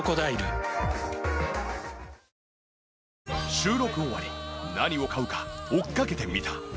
収録終わり何を買うか追っかけてみた。